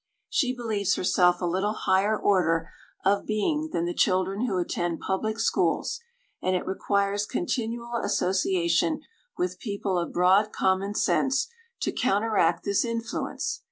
She believes herself a little higher order of being than the children who attend public schools, and it requires continual association with people of broad common sense to counteract this influence.